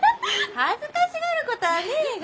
恥ずかしがるこたあねえが。